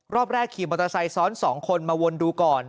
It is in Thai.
รอบแรกขี่มอเตอร์ไซค์ซ้อน๒คนมาวนดูก่อน